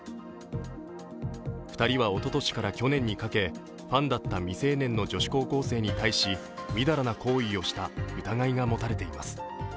２人はおととしから去年にかけファンだった未成年の女子高校生に対しみだらな行為をした疑いが持たれています。